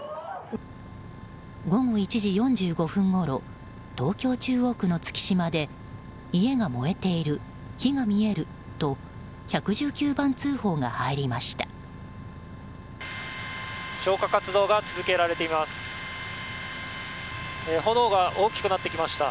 午後１時４５分ごろ東京・中央区の月島で家が燃えている、火が見えると１１９番通報が入りました。